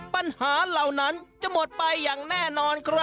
ปัญหาเหล่านั้นจะหมดไปอย่างแน่นอนครับ